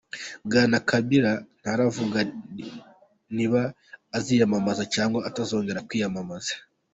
Bwana Kabila ntaravuga niba aziyamamaza cyangwa atazongera kwiyamamaza.